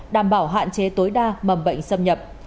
đảm bảo hạn chế tối đa mầm bệnh xâm nhập